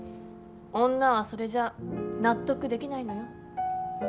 女はそれじゃ納得できないのよ。